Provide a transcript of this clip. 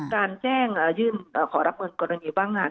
การแจ้งยื่นขอรับเงินกรณีว่างงาน